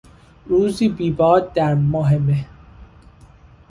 روزی بی باد در ماه مه